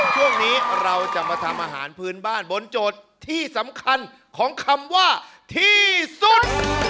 ช่วงนี้เราจะมาทำอาหารพื้นบ้านบนโจทย์ที่สำคัญของคำว่าที่สุด